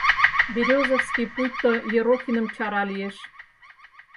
— Березовский пуйто Ерохиным чара лиеш.